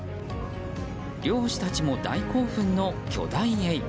漁師たちも大興奮の巨大エイ。